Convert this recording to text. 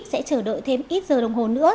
sẽ chờ đợi thêm ít giờ đồng hồ nữa